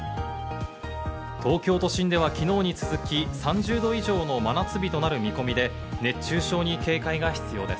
東京都心では昨日に続き３０度以上の真夏日となる見込みで、熱中症に警戒が必要です。